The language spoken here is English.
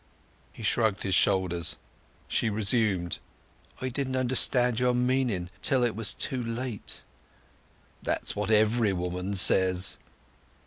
He shrugged his shoulders. She resumed— "I didn't understand your meaning till it was too late." "That's what every woman says."